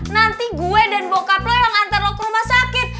nanti gue dan bokap lo yang ngantar lo ke rumah sakit